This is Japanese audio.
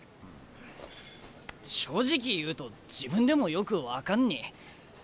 正直言うと自分でもよく分かんねえ。